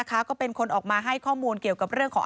ก็เป็นคนออกมาให้ข้อมูลเกี่ยวกับเรื่องของ